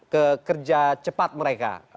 ke kerja cepat mereka